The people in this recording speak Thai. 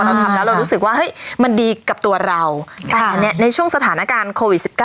เราทำแล้วเรารู้สึกว่าเฮ้ยมันดีกับตัวเราในช่วงสถานการณ์โควิด๑๙